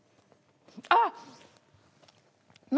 あっ！